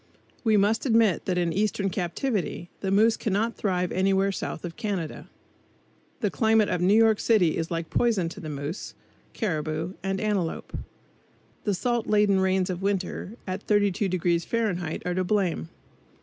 We must admit that in eastern captivity the moose cannot thrive anywhere south of Canada. The climate of New York city is like poison to moose, caribou and antelope. The salt laden rains of winter, at 32° Fahrenheit are to blame.